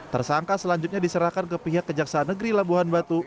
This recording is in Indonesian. tersangka selanjutnya diserahkan ke pihak kejaksaan negeri labuhan batu